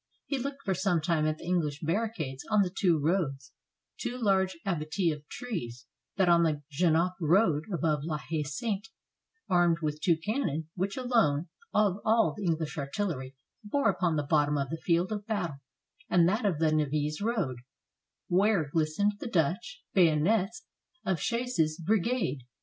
He looked for some time at the English barricades on the two roads, two large abattis of trees, that on the Genappe road above La Haye Sainte, armed with two cannon, which alone, of all the English artil lery, bore upon the bottom of the field of battle, and that of the Nivelles road, where glistened the Dutch 366 WATERLOO bayonets of Chasse's brigade.